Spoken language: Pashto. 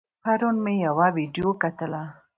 پرون مې يوه ويډيو کتله